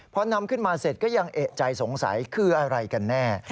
พอนำขึ้นมาเสร็จก็ยังเอกใจสงสัยคืออะไรกันแน่